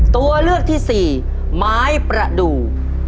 ตัวเลือกที่สี่ไม้ประดูก